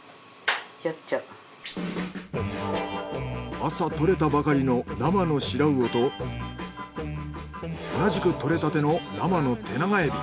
朝獲れたばかりの生のシラウオと同じく獲れたての生のテナガエビ。